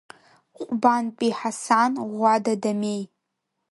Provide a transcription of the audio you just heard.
Ҟәбантәи Ҳасан, Ӷәада Дамеи…